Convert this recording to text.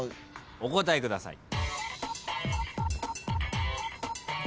お答えください。